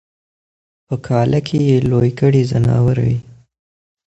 په کاله کی یې لوی کړي ځناور وي